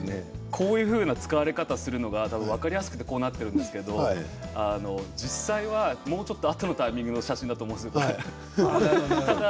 こういうふうな使われ方をするのが分かりやすくこうなってるんですけど実際にはもうちょっと、あとのタイミングだと思うんです。